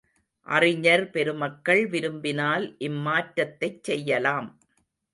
அறிஞர் பெருமக்கள் விரும்பினால் இம் மாற்றத்தைச் செய்யலாம்.